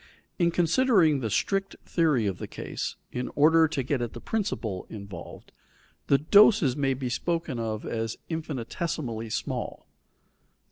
In considering the strict theory of the case, in order to get at the principle involved, the doses may be spoken of as infinitesimally small.